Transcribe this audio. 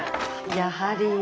やはり。